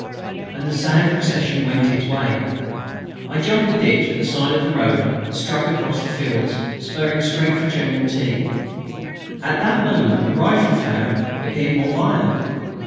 And the sad procession went its way. I jumped the ditch at the side of the road, and struck across the fields, spurring straight for General T. At that moment the rifle fire became more violent.